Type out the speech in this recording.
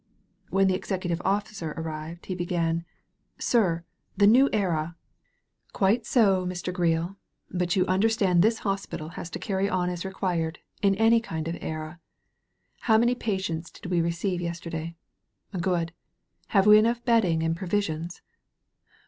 When the Executive Officer arrived, he began: "Sir, the New Era " 211 THE VALLEY OF VISION "Quite so, Mr. Greel, but you understand this Hospital has to carry on as required in any kind of an era. How many patients did we receive yes terday? Good. Have we enough bedding and provisions?